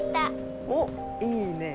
おっいいねぇ。